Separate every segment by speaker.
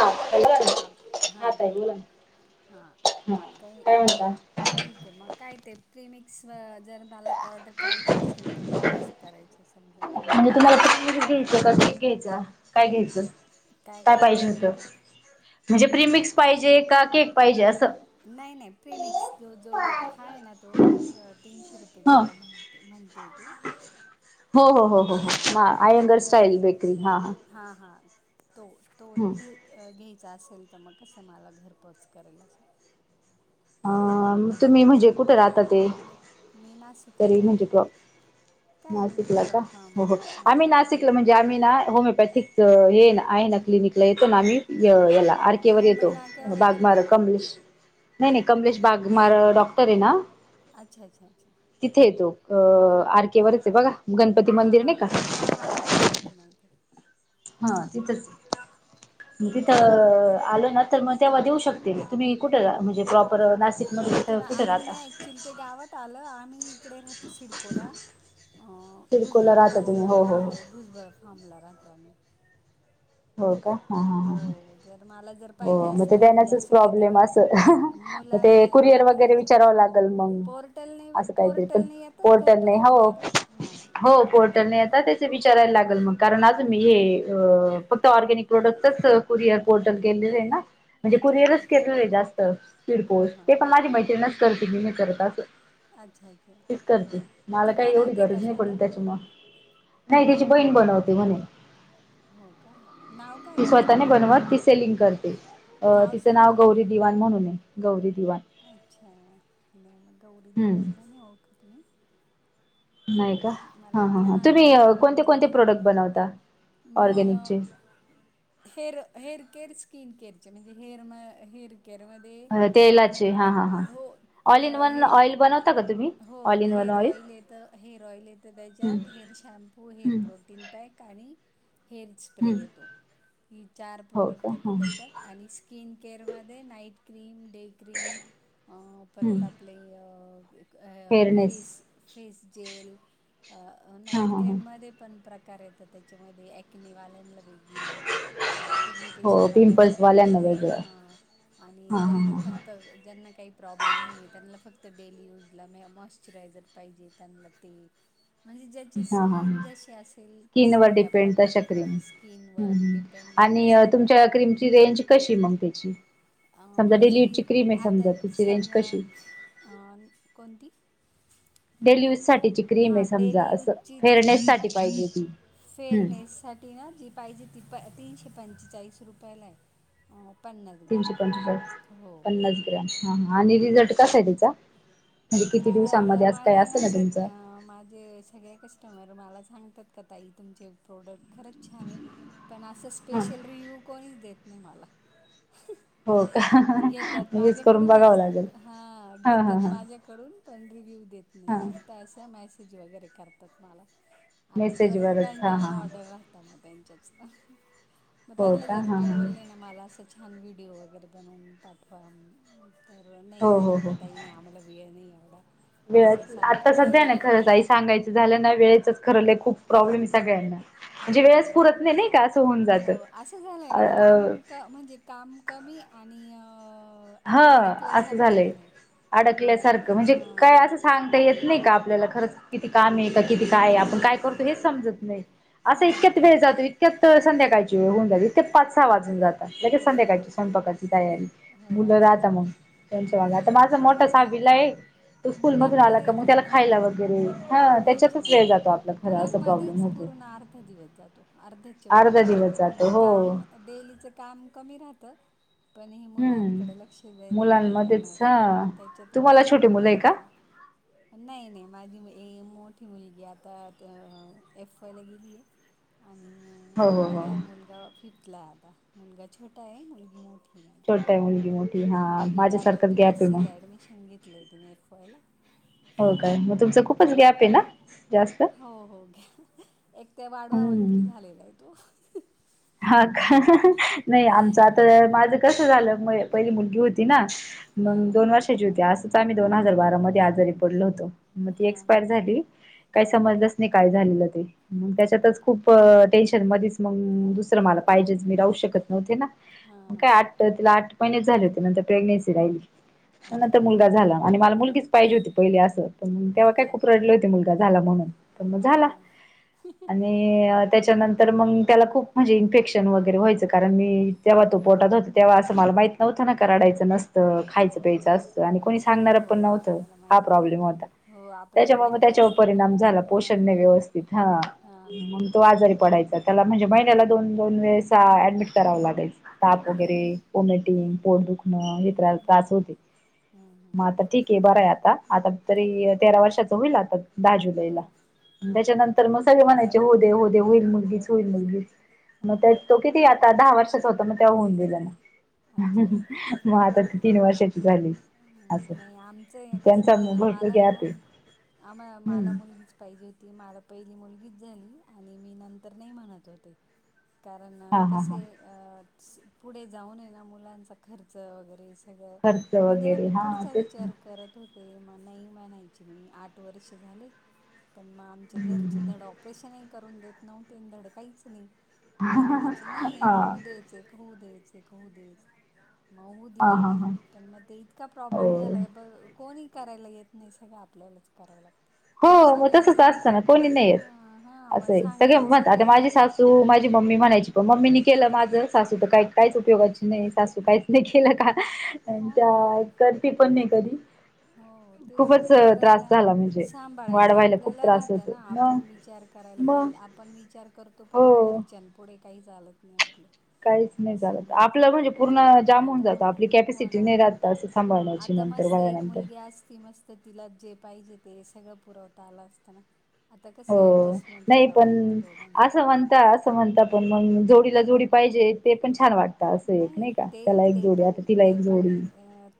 Speaker 1: हा
Speaker 2: हा हा बरं हा
Speaker 1: ताई
Speaker 2: बोला
Speaker 1: ना
Speaker 2: हा
Speaker 1: हा
Speaker 2: काही
Speaker 1: काय म्हणता
Speaker 2: अ ठीक आहे मग काय ते प्रेमिक्स व जर मला ऑर्डर करायची असेल तर मघ कसं करायचं. अच्छा समजा,
Speaker 1: म्हणजे तुम्हालास घ्यायचं क घ्यायच काय घ्यायचं काय पाहिजे होतं. म्हणजे प्रिमिक्स पाहिजे का, का केक पाहिजे असं-
Speaker 2: नाही नाही प्रेमिक्स जो हा आहे ना तो तीनशे रुपये, रुपये
Speaker 1: ह
Speaker 2: किलो म मतेेत [inaudible]
Speaker 1: हो हो हो हो हो
Speaker 2: तो
Speaker 1: आयंगर
Speaker 2: जर
Speaker 1: स्टाईल बेकरी हा हा.
Speaker 2: हां हां तो तो
Speaker 1: हम्म
Speaker 2: ती घ्यायचं असेल तर मग कसं मला घरपोच करायल असं
Speaker 1: अ तुम्ही म्हणजे कुठे राहता ते?
Speaker 2: मी नाशिकला
Speaker 1: तरी म्हणजे
Speaker 2: राहते.
Speaker 1: प्रॉप
Speaker 2: काय मी
Speaker 1: नाशिकला का
Speaker 2: भुजबळ फार्म
Speaker 1: हो हो आम्ही
Speaker 2: हां
Speaker 1: नाशिकला
Speaker 2: भुजबळ
Speaker 1: म्हणजे आम्ही, नाशिक ला होमिओपॅथिक हे आहे ना क्लिनिकला येतो ना आम्ही याला आर
Speaker 2: अ,
Speaker 1: के वरर
Speaker 2: मुंबई
Speaker 1: येतो
Speaker 2: नाक्यावर येतं का
Speaker 1: बागमार कमलेश. नाही नाही कमलेश बागमार डॉक्टर आहे ना,
Speaker 2: अच्छा! अच्छा!
Speaker 1: तिंथे येतो अ आर केे वररच आहे बघा. गणपती
Speaker 2: हा
Speaker 1: मंदिर
Speaker 2: हा
Speaker 1: नाही का
Speaker 2: हा हा हा माहिती आहे माहती आहे.
Speaker 1: हा तिथंच तिथं आलो ना तर मग तेव्हा देऊ शकतील तुम्ही कुठं म्हणजे प्राप पर नाशिक मध्ये तर कुठे राहता.
Speaker 2: चिल्ते गावात आलं आम्ही इकडे राहतो सिरकोला.
Speaker 1: सिडकोला
Speaker 2: भुजबळ
Speaker 1: राहता
Speaker 2: फार्म,
Speaker 1: तुम्ही हो हो
Speaker 2: हा
Speaker 1: हो
Speaker 2: भुजबळ फार्मला राहतो आम्ही.
Speaker 1: हो का ह ह
Speaker 2: हो जर मला जर
Speaker 1: हो
Speaker 2: पाहिजे
Speaker 1: मग ते
Speaker 2: असेल म्हणजे
Speaker 1: देण्याचच
Speaker 2: असे कधी
Speaker 1: प्रॉब्लेम असेल. मग
Speaker 2: मुलांना
Speaker 1: ते
Speaker 2: आहे ना
Speaker 1: कुरिअर वगैरे
Speaker 2: खायचे
Speaker 1: विचारावं लागेल मग
Speaker 2: पोर्टलने
Speaker 1: असं काहीतरी पण
Speaker 2: पोर्टलने येतात
Speaker 1: पोर्टल नाही
Speaker 2: घरपर्यंत
Speaker 1: हो.
Speaker 2: डायरेक्ट हां
Speaker 1: हो पोर्टलने
Speaker 2: येतात.
Speaker 1: आता त्याच विचारायला लागेल मग कारण आज मी हे, अ फक्त ऑर्गॅनिक प्रोडक्टच कुरियार कोर्टल गेलेले आहे ना- म्हणजे
Speaker 2: अच्छा अच्छा
Speaker 1: कुरिअरच घेतलेले जास्त स्पीड
Speaker 2: हां
Speaker 1: पोस्ट
Speaker 2: हां
Speaker 1: ते
Speaker 2: हां
Speaker 1: पण माझी मैत्रिणच करते मी मी करत असं.
Speaker 2: अच्छा अच्छा
Speaker 1: तेच करते मला
Speaker 2: ती
Speaker 1: काही एवढी
Speaker 2: बनवते का
Speaker 1: गरज नाही पडली
Speaker 2: स्वतः
Speaker 1: त्यांच्यामुळे, नाही तीची बहीण बनवते म्हणे.
Speaker 2: हो, का? नाव काय
Speaker 1: ती
Speaker 2: आहे तिचं
Speaker 1: स्वतः नाही बनवत. ती सेलिंग करते. अ तिचं नाव गौरी दिवाण म्हणूनय. गौरी दिवाण.
Speaker 2: अच्छा. नाही मग. गौरी दिवाणला,
Speaker 1: हम्म
Speaker 2: नाही ओळखत मी.
Speaker 1: नाही का? ह,
Speaker 2: मला
Speaker 1: ह,
Speaker 2: वाटलं
Speaker 1: ह.
Speaker 2: मा
Speaker 1: तुम्ही
Speaker 2: माझ्याकडून
Speaker 1: कोणते -
Speaker 2: जे
Speaker 1: कोणते
Speaker 2: घेते
Speaker 1: प्रोडक्ट बनवता?
Speaker 2: मी अ
Speaker 1: ऑर्गॅनिकचे.
Speaker 2: हेअर, हेअर - केअर स्किन केअरचे. म्हणजे हेअर म हेअर केअरमध् हे.
Speaker 1: तेलाचे हा हा हा
Speaker 2: तेलाची. हो.
Speaker 1: ऑल इन
Speaker 2: अ
Speaker 1: वन
Speaker 2: हे
Speaker 1: ऑइल बनवता का तुम्ही?
Speaker 2: हो,
Speaker 1: all in one
Speaker 2: hair oil येत. हेअर ऑइल येतं
Speaker 1: हम्म
Speaker 2: त्याच्यात. Hair shampoo, hair
Speaker 1: hmm
Speaker 2: product तीन पॅक आणि हेअर स्प्रे
Speaker 1: हम्म
Speaker 2: येतो. ही चार
Speaker 1: हो का
Speaker 2: प्रोडक्ट येतात त्याच्यात आणि स् स्किन केअर मध्ये नाईट क्रीम, डे क्रीम. अ
Speaker 1: ह
Speaker 2: परत आप आपले अ
Speaker 1: फेअरनेस
Speaker 2: फेस - फेस जेल अ
Speaker 1: हा
Speaker 2: नाईट
Speaker 1: हा ह
Speaker 2: क्रीम मध्ये पण प्रकार येत. त्याच्यामध्ये अकनीवाल्यानला बे गळी. अ
Speaker 1: हो
Speaker 2: पिगमिटेशन वाल्यांना
Speaker 1: पिंपल्स
Speaker 2: वेगळी.
Speaker 1: वेगळं
Speaker 2: हा. आणि
Speaker 1: हा हा
Speaker 2: ज्यांना
Speaker 1: ह
Speaker 2: फक्त, ज्यांना काही प्रॉब्लेम नाही, त्यांना फक्त डेली यूज ला मॉशचरायझर पाहिजे त्यानला ते म्हणजे ज्याची
Speaker 1: हा हा
Speaker 2: स्किन
Speaker 1: ह
Speaker 2: जशी असेल
Speaker 1: स्किन
Speaker 2: तस
Speaker 1: वर
Speaker 2: त्या
Speaker 1: डिपेंड तशा
Speaker 2: प्रकारे.
Speaker 1: क्रीम
Speaker 2: हा
Speaker 1: हम्म
Speaker 2: स्किनवर
Speaker 1: हम्म
Speaker 2: डीप
Speaker 1: आणि तुमच्या क्रीमची रेंज कशी? मग त्याची.
Speaker 2: अ
Speaker 1: समजा
Speaker 2: माझी,
Speaker 1: डिलीटची क्रीम आहे
Speaker 2: आता
Speaker 1: समजा तिची रेंज
Speaker 2: समजा,
Speaker 1: कशी
Speaker 2: कोणती?
Speaker 1: डेली यूज साठीची. क्रीम आहे
Speaker 2: हा,
Speaker 1: समजा
Speaker 2: डेली
Speaker 1: असं
Speaker 2: यूजची जि
Speaker 1: फेअरनेस
Speaker 2: क्रीम आ,
Speaker 1: साठी पाहिजे ती हम्म
Speaker 2: फेअरनेससाठी ती ना जी पाहिजे ती, प तीनशे पंचेचाळीस रुपयालाय. ओ पन्ना
Speaker 1: तीनशे पंचेचाळीस. पन्नास ग्रॅम. ह, ह. आणि
Speaker 2: हां
Speaker 1: रिझल्ट कसाय तिचा?
Speaker 2: रिझ अ माझे ना, सग अ माझे सगळे कस्टमर मला सांगतात का? ताई तुमचे प्रोडक्ट खरच छानय. पण असं,
Speaker 1: हा
Speaker 2: स्पेशल रिव्ह्यू कोणीच देत नाही मला.
Speaker 1: हो
Speaker 2: घेतात
Speaker 1: का यूज करून बघावं
Speaker 2: माझ्याकडूनच.
Speaker 1: लागेल
Speaker 2: हा,
Speaker 1: हा
Speaker 2: घेतात
Speaker 1: हा
Speaker 2: माझ्याक कडून पण रिव्ह्यू देत नाही.
Speaker 1: हा
Speaker 2: फक्त असं, मेसेज वगैरे करतात मला. आणि परत
Speaker 1: मेसेजवरच हा हा
Speaker 2: कंटिन्यू ऑर्डर राहता म त्यांच्याच. मग
Speaker 1: हो
Speaker 2: त्यांला
Speaker 1: का
Speaker 2: जर
Speaker 1: हा
Speaker 2: मी
Speaker 1: हा
Speaker 2: बोलले ना, मला असं छान व्हिडिओ वगैरे बनवून पाठवा. तर नाही
Speaker 1: हो
Speaker 2: ते
Speaker 1: हो
Speaker 2: म्हणत तई, नाही आम्हाला वेळ नाही एवडा.
Speaker 1: मिळत. आता सध्या ना खरंच ताई, सांगायचं झालं ना, वेळेचच खरं लय खूप प्रॉब्लेमय सगळ्यांना. म्हणजे
Speaker 2: हो,
Speaker 1: वेळच
Speaker 2: नाही.
Speaker 1: पुरत नाही का असं होऊन
Speaker 2: हो.
Speaker 1: जातं
Speaker 2: असं झालंय ना, काम
Speaker 1: अ
Speaker 2: क म्हणजे काम कमी आणि अ
Speaker 1: ह. असं झालंय.
Speaker 2: मुलां
Speaker 1: अडकल्यासारखं. म्हणजे काय
Speaker 2: हां.
Speaker 1: असं सांगता येत नाही का, आपल्याला खरंच किती कामय का? किती कायय?
Speaker 2: हो
Speaker 1: आपण काय
Speaker 2: हो
Speaker 1: करतो?
Speaker 2: हो
Speaker 1: हेच समजत नाही. असं
Speaker 2: हो ना
Speaker 1: इतक्यात
Speaker 2: ते
Speaker 1: वेळ जातो. इत त्यात संध्याकाळची वेळ होऊन जाते. इतक्यात पाच- सहा वाजून जातात.
Speaker 2: हो ना
Speaker 1: संध्याकाळची स्वयंपाकाची तयारी.
Speaker 2: हो
Speaker 1: मुलं
Speaker 2: असंच
Speaker 1: राहता मग.
Speaker 2: होतं
Speaker 1: त्यांच्या [unintelligible] आता
Speaker 2: हम्म.
Speaker 1: माझं मोठा साविलाय.
Speaker 2: मुलांमध्ये, हो न.
Speaker 1: वगैरे हा त्याच्यातच
Speaker 2: अच्छा.
Speaker 1: वेळ जातो आपला खरा असा प्रॉब्लेम
Speaker 2: मुलामध्येच
Speaker 1: होतो
Speaker 2: पूर्ण अर्ध दिवस जातो. अर्ध्यात
Speaker 1: अर्धा
Speaker 2: वरती दिवस. म्हणजे,
Speaker 1: जातो हो
Speaker 2: काम डेलीचं काम कमी राहत. पण हे
Speaker 1: हम्म
Speaker 2: मुलांकडे लक्ष देणं हे करनं
Speaker 1: मुलांमध्येच
Speaker 2: ते
Speaker 1: हा
Speaker 2: करनं त्याच्यातच
Speaker 1: तुम्हाला छोटी मुलं
Speaker 2: पूर्ण
Speaker 1: आहे
Speaker 2: दिवस जा
Speaker 1: [inaudible]
Speaker 2: नाही नाही माझी मय ए मोठी मुलगी आता तेय एफ वाय ला गेली आहे आणि अ
Speaker 1: हो
Speaker 2: मग
Speaker 1: हो हो
Speaker 2: माझा मुलगा फिफ्थ ला आता मुलगा छोटा आहे मुलगी मोठी आहे मा
Speaker 1: [unintelligible] हा
Speaker 2: मुलगी आता
Speaker 1: माझ्यासारखंच
Speaker 2: बी
Speaker 1: गॅप
Speaker 2: एस
Speaker 1: आहे
Speaker 2: सी
Speaker 1: मग
Speaker 2: ला ऍडमिशन घेतलंय तिने एफ वाय ला.
Speaker 1: हो काय मग तुमचं खूपच
Speaker 2: हम्म
Speaker 1: गॅप आहे ना जास्त
Speaker 2: हो हो गॅ एक ते वाडवा मंत्री
Speaker 1: हम्म
Speaker 2: झालेलाय तो.
Speaker 1: हा का नाही आमचं आता माझं कसं झालं मय पहिली मुलगी होती ना
Speaker 2: हा
Speaker 1: मंग
Speaker 2: हा.
Speaker 1: दोन वर्षाची होती असंच आम्ही दोन हजार बारा मध्ये आजारी पडलो होतो. म ती
Speaker 2: हा हा
Speaker 1: एक्सपायर झाली काय
Speaker 2: हा
Speaker 1: समजलंच नाही काय झालेलं ते मग
Speaker 2: अरे
Speaker 1: त्याच्यातच
Speaker 2: बापरे!
Speaker 1: खूप टेन्शन मध्येच मग दुसरं मला पाहिजेच मी राहू शकत नव्हते ना
Speaker 2: हा
Speaker 1: म
Speaker 2: हा
Speaker 1: काय आ ता तिला आठ महिने झाले होते नंतर प्रेग्नेन्सी राहिली.
Speaker 2: अच्छा
Speaker 1: त्यानंतर
Speaker 2: अच्छा.
Speaker 1: मुलगा झाला आणि मला मुलगीच पाहिजे होती पहिले असं पण मंग तेव्हा काय
Speaker 2: अच्छा
Speaker 1: खूप
Speaker 2: अच्छा
Speaker 1: रडले होते मुलगा झाला म्हणून पण म
Speaker 2: हा
Speaker 1: झाला.
Speaker 2: [unintelligible]
Speaker 1: आणि त्याच्यानंतर मंग त्याला खूप म्हणजे इन्फेक्शन वगैरे व्हायचं कारण मी तेव्हा तो पोटात होता तेव्हा असं मला माहीत नव्हतं ना का रडायचं नस तं खायचं प्यायचं असतं आणि कोणी
Speaker 2: हो
Speaker 1: सांगणार
Speaker 2: हो
Speaker 1: पण नव्हतं
Speaker 2: आपल्याला
Speaker 1: हा
Speaker 2: माहि
Speaker 1: प्रॉब्लेम होता.
Speaker 2: हो आपल्याला
Speaker 1: त्याच्यामुळं म
Speaker 2: माहित
Speaker 1: त्याच्यावर
Speaker 2: नसतं ना
Speaker 1: परिणाम झाला
Speaker 2: हा
Speaker 1: पोषण नाय
Speaker 2: हा
Speaker 1: व्यवस्थित हा
Speaker 2: हा
Speaker 1: मंग
Speaker 2: हा.
Speaker 1: तो आजारी पडायचा. त्याला म्हणजे महिन्याला दोन दोन वेळेसा ऍडमिट करावं लागायच.
Speaker 2: अरे
Speaker 1: ताप
Speaker 2: बापरे!
Speaker 1: वगैरे
Speaker 2: हं,
Speaker 1: व्हॉमिटिंग
Speaker 2: हं,
Speaker 1: पोट दुखणं हे त्रास त्रास
Speaker 2: हं,
Speaker 1: होते. म
Speaker 2: हं,
Speaker 1: आता ठीक आहे बरं आहे आता आता
Speaker 2: हं.
Speaker 1: तरी तेरा वर्षांचा होईल आता दहा
Speaker 2: अरे
Speaker 1: जुलैला
Speaker 2: वाह! हां, हां,
Speaker 1: त्याच्यानंतर मग सगळे म्हणायचे होऊ दे होऊ दे होईल मुलगीच होईल मुलगीच मग
Speaker 2: हां.
Speaker 1: त्या तो किती आता दहा वर्षाचा होता मग ते होऊन गेलं
Speaker 2: अच्छा, अच्छा.
Speaker 1: मग आता
Speaker 2: हं.
Speaker 1: तीन वर्षाची झाली
Speaker 2: [unintelligible]
Speaker 1: असं
Speaker 2: नाही आमचं हे कसं
Speaker 1: त्यांचा
Speaker 2: झाला
Speaker 1: भरपूर
Speaker 2: मला हे ना
Speaker 1: गॅप आहे
Speaker 2: आम्हा मला
Speaker 1: हम्म
Speaker 2: मुलगीच पाहिजे होती मला पहिली मुलगीच झाली आणि मी नंतर नाही म्हणत होते कारण
Speaker 1: हा हा हा
Speaker 2: कसंय अ आहे स पुढे जाऊन आहे ना मुलांचा खर्च वगैरे सगळं
Speaker 1: खर्च
Speaker 2: म्हणजे ना
Speaker 1: वगैरे
Speaker 2: मी
Speaker 1: हा
Speaker 2: पुढचा
Speaker 1: तेच ना
Speaker 2: विचार करत होते म नाही म्हणायची मी आठ वर्ष झाले कण मग आमच्या घर चे
Speaker 1: हम्म
Speaker 2: धड ऑपरेशनही करून देत नव्हते आन धड काहीच नाही. ते म्हणायचे
Speaker 1: हा
Speaker 2: नाहींएक होऊ
Speaker 1: हा
Speaker 2: दे तेक होऊदेच एक होऊदेच म होऊ दिले
Speaker 1: हा
Speaker 2: एक
Speaker 1: हा
Speaker 2: पण म ते इतका
Speaker 1: हो
Speaker 2: प्रॉब्लेम झालाय बघ कोणी करायला येत नाही सगळं आपल्यालाच करावं लागतं.
Speaker 1: हो मग
Speaker 2: सगळे
Speaker 1: तसंच असतं
Speaker 2: सांगता
Speaker 1: ना कोणी नाही
Speaker 2: ह
Speaker 1: येत
Speaker 2: हा मग
Speaker 1: असंय सगळे
Speaker 2: सांगायला
Speaker 1: म्हणतात आता माझी
Speaker 2: राहतात
Speaker 1: सासू मा माझी मम्मी म्हणायची पण मम्मीनी केलं माझं सासू तर काही काहीच उपयोगाची नाही सासू काहीच नाही केलं का आणि
Speaker 2: हो ना
Speaker 1: त्या करती पण नाही कधी.
Speaker 2: हो तेच ना
Speaker 1: खूपच त्रास
Speaker 2: करायला
Speaker 1: झाला म्हणजे
Speaker 2: सांभा करायचं
Speaker 1: वाढवायला खूप
Speaker 2: आपल्याला
Speaker 1: त्रास
Speaker 2: राहतं
Speaker 1: होतो
Speaker 2: ना
Speaker 1: मग
Speaker 2: आपण विचार करायला
Speaker 1: मग
Speaker 2: पाहिजे आपण विचार करतो पण
Speaker 1: हो
Speaker 2: घरच्यान पुढे काही चाल‌त नाही आपलं.
Speaker 1: काहीच नाही
Speaker 2: असं
Speaker 1: चालत
Speaker 2: होऊन
Speaker 1: आपलं
Speaker 2: जात
Speaker 1: म्हणजे पूर्ण जाम होऊन जातं आपली कॅपॅसिटी नाही राहतंसी.
Speaker 2: म आता मस्त आहे एक मुलगी आज ती नसती तिला जे पाहिजे ते सगळं पुरवता आलं असत ना. आता
Speaker 1: हो
Speaker 2: कसं ॲडजस्टमेंट
Speaker 1: नाही
Speaker 2: करावं
Speaker 1: पण
Speaker 2: लागते दोघांची
Speaker 1: असं
Speaker 2: पण.
Speaker 1: म्हणत म्हणता पण मंग जोडीला जोडी पाहिजे ते पण छान वाटत असं एक नाही का
Speaker 2: ते
Speaker 1: त्याला एक
Speaker 2: ते
Speaker 1: जोडी,
Speaker 2: पण
Speaker 1: आता तिला
Speaker 2: ते
Speaker 1: एक
Speaker 2: पण
Speaker 1: जोडी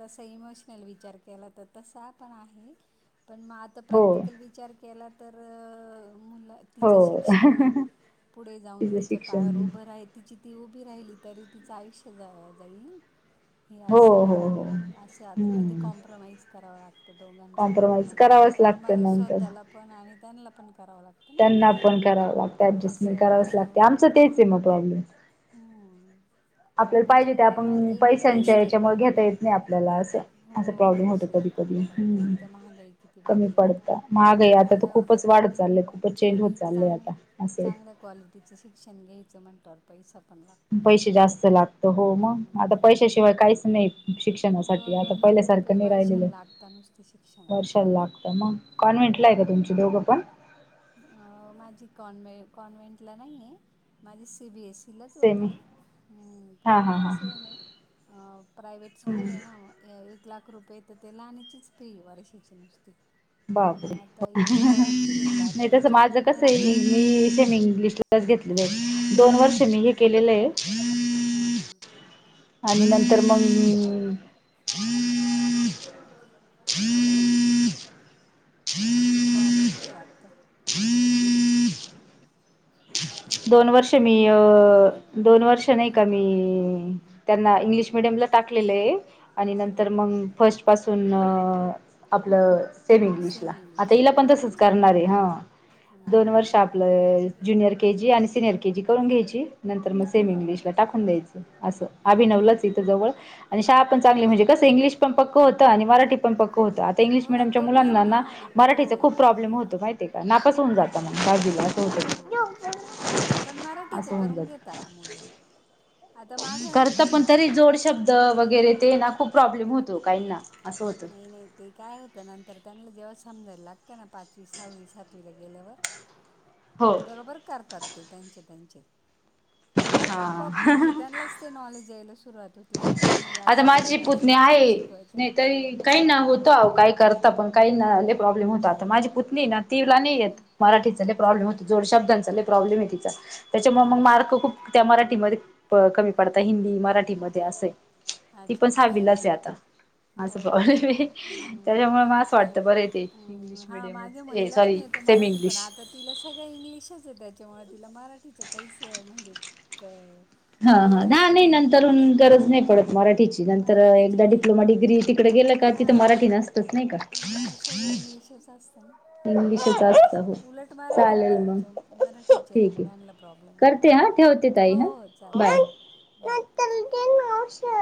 Speaker 2: तसं इमोशनल विचार केला तर तसा पण आहे पण म तर
Speaker 1: हो
Speaker 2: प्रॅक्टिकल विचार केला तर मुला तिचं
Speaker 1: हो
Speaker 2: शिक्षण पुढे जाऊन
Speaker 1: तिचं
Speaker 2: तिच्या
Speaker 1: शिक्षण
Speaker 2: पायावर उभं राय तिची ती उभी राहिली तरी तिचं आयुष्य जा जाईल ना हे
Speaker 1: हो हो हो
Speaker 2: असं असं आता किती
Speaker 1: हम्म
Speaker 2: कॉम्प्रमाइज करावं लागते तर दोघांसाठी
Speaker 1: कॉम्प्रोमाइज
Speaker 2: आम्हाला आज
Speaker 1: करावंच लागतं
Speaker 2: आम्हाला
Speaker 1: नंतर
Speaker 2: स्वतःला पण आणि त्यांना पण करावं लागतं ना
Speaker 1: त्यांना पण करावं लागत अजस्टमेंट
Speaker 2: असं
Speaker 1: करावंच
Speaker 2: असं
Speaker 1: लागते
Speaker 2: होतं.
Speaker 1: आमचं तेच आहे मग प्रॉब्लेम
Speaker 2: हम्म
Speaker 1: आपल्याला पाहिजे ते
Speaker 2: त्याच्यामुळे मग
Speaker 1: आपण
Speaker 2: एक
Speaker 1: पैशांच्या
Speaker 2: बेस्ट आहे.
Speaker 1: याच्यामुळ घेता येत नाही आपल्याला असं आहे.
Speaker 2: हो
Speaker 1: अस प्रॉब्लेम होतो‌
Speaker 2: पैसे
Speaker 1: कधी
Speaker 2: कमी
Speaker 1: कधी,
Speaker 2: पडत एक
Speaker 1: हम्म
Speaker 2: तर महागाई किती
Speaker 1: कमी
Speaker 2: वाढली
Speaker 1: पडत
Speaker 2: आता
Speaker 1: महाग आहे आता तर खूपच वाढत चाललंय. खूपच चेंज होत
Speaker 2: आणि
Speaker 1: चाललंय आता
Speaker 2: चांगले
Speaker 1: असं
Speaker 2: चांगल्या क्वालिटीचं शिक्षण घ्यायचं म्हटल्यावर पैसा पण लागतो.
Speaker 1: पैसे जास्त लागत हो मग आता
Speaker 2: हम्म
Speaker 1: पैशाशिवाय काहीच नाही शिक्षणासाठी आता पहिल्यासारखं नाही राहिलेलं.
Speaker 2: आता नुसती शिक्षण
Speaker 1: वर्षाला लागतं ना. कॉन्व्हेंट ला आहे का तुमचे दोघं पण?
Speaker 2: अह माझी कॉन कॉन्व्हेंटला नाही आहे माझी सी बी एस सी तिलाच होते
Speaker 1: सेमी
Speaker 2: हम्म पण
Speaker 1: हा हा
Speaker 2: आता
Speaker 1: हा
Speaker 2: कसं झालं अह प्रायव्हेट
Speaker 1: हा
Speaker 2: स्कूल आहे ना म अह एक लाख रुपयेे तर ते लानेचीच फी वर्षाची नुसती. आणि
Speaker 1: बापरे,
Speaker 2: आता हिचं कॉलेज सुरू होईल आता
Speaker 1: नाही तस
Speaker 2: हिची
Speaker 1: माझ
Speaker 2: पण
Speaker 1: कस
Speaker 2: भरली
Speaker 1: आहे मी सेम इंग्लिशला [unintelligible] दोन वर्ष मी हे
Speaker 2: हम्म हम्म
Speaker 1: केलेलं आहे.
Speaker 2: हां हां
Speaker 1: आणि नंतर मग
Speaker 2: कॉल येतोय वाटत.
Speaker 1: दोन वर्ष मी अह दोन वर्ष नाही का मी त्यांना इंग्लिश मिडियमला टाकलेले आणि
Speaker 2: त्यांना इंग्लिश मिडियमला टाकलेलं आहे हा हा फर्स्ट पासून
Speaker 1: नंतर
Speaker 2: आपलं
Speaker 1: मग फस्टपासून अह आपलं सेम इंग्लिशला. आता
Speaker 2: इंग्लिश
Speaker 1: हिला पण तसच
Speaker 2: अच्छा
Speaker 1: करणार आहे हा,
Speaker 2: हम्म
Speaker 1: दोन वर्ष
Speaker 2: हम्म
Speaker 1: आपलं ज्युनियर के जी आणि सिनियर के जी करून घ्यायची नंतर मग सेम
Speaker 2: हां
Speaker 1: इंग्लिशला टाकून द्यायचं असं.
Speaker 2: अच्छा
Speaker 1: अभिनवला च
Speaker 2: अच्छा
Speaker 1: इथं जवळ आणि शाळा पण
Speaker 2: अच्छा
Speaker 1: चांगली
Speaker 2: अच्छा
Speaker 1: म्हणजे कसं इंग्लिश पण पक्क होतं आणि मराठी पण पक्क होतं. तर इंग्लिश
Speaker 2: हो ना
Speaker 1: मिडियमच्या
Speaker 2: तो
Speaker 1: मुलांना
Speaker 2: मेन
Speaker 1: ना
Speaker 2: हो
Speaker 1: मराठीच खूप प्रॉब्लेम होतो माहितीय का नापास होऊ जात म बाजूला अस होतय.
Speaker 2: हम्म पण मराठीच करून घेता मुलं. आता माझा नाही
Speaker 1: करत
Speaker 2: का
Speaker 1: पण
Speaker 2: मुलगा
Speaker 1: तरी जोड शब्द
Speaker 2: मराठी
Speaker 1: वगैरे ते ना खूप प्रॉब्लेम होतो काही ना.
Speaker 2: नाही नाही. ते काय होतं नंतर त्यांना जेव्हा समजायला लागतं ना पाचवी सहावी सातवीला गेल्यावर
Speaker 1: [inaudible]
Speaker 2: बरोबर करतात ते त्यांचे त्यांचे. आपोआप म्हणजे
Speaker 1: हा
Speaker 2: त्यांनालाच ते नॉलेज यायला सुरुवात होती का नाही हे
Speaker 1: आता
Speaker 2: अस आहे
Speaker 1: माझी
Speaker 2: हे
Speaker 1: पुतणी
Speaker 2: असं आपलं
Speaker 1: आहे.
Speaker 2: शिकवायचं.
Speaker 1: नाही तरी काही
Speaker 2: हां.
Speaker 1: ना होतं आहो काही करता पण काहींना लय प्रॉब्लेम होतो आता माझी पुतणी आहे ना. तिला नाही येत मराठीचा लय
Speaker 2: हां.
Speaker 1: प्रॉब्लेम होत जोड शब्दांचा लय प्रॉब्लेम आहे तिचा त्याच्यामुळे मग
Speaker 2: हां.
Speaker 1: मार्क खूप त्या मराठीमध्ये कमी पडत हिंदी मराठीमध्ये अस आहे. ती
Speaker 2: अच्छा
Speaker 1: पण
Speaker 2: अच्छा.
Speaker 1: सहावीलाच अस आहे आता. असं
Speaker 2: हो का
Speaker 1: प्रॉब्लेमये त्याच्यामुळ म असं
Speaker 2: हम्म
Speaker 1: वाटत
Speaker 2: नाही
Speaker 1: बरय ते इंग्लिश
Speaker 2: हम्म हा
Speaker 1: मिडियमच
Speaker 2: माझ्या
Speaker 1: ए
Speaker 2: मुलीला
Speaker 1: सॉरी
Speaker 2: पण येतो
Speaker 1: सेमी
Speaker 2: मराठी पण
Speaker 1: इंग्लिश.
Speaker 2: आता तिला सगळं इंग्लिशचय त्याच्यामुळ तिला मराठीचं काहीच म्हणजे क
Speaker 1: हा हा हा नाही नंतरून गरज नाही पडत म. मराठीची
Speaker 2: हम्म
Speaker 1: नंतर
Speaker 2: मराठीची
Speaker 1: एकदा
Speaker 2: काही
Speaker 1: डिप्लोमा, डिग्री तिकडे गेलं का
Speaker 2: हा
Speaker 1: तिथं मराठी नसतच नाही का.
Speaker 2: नाही सगळं इंग्लिशच असतं ना.
Speaker 1: इंग्लिशच असतं
Speaker 2: असं
Speaker 1: हो
Speaker 2: उलट मराठी
Speaker 1: चालेल मग
Speaker 2: मीडियमच्या मराठीच्या
Speaker 1: ठीक आहे
Speaker 2: मुलांना प्रॉब्लेम येतो
Speaker 1: करते हा ठेवते ताई
Speaker 2: हो
Speaker 1: हा
Speaker 2: हो चालेल
Speaker 1: बाय
Speaker 2: चालेल बाय.
Speaker 1: [inaudible]